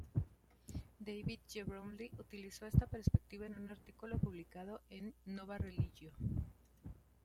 David G. Bromley utilizó esta perspectiva en un artículo publicado en "Nova Religio".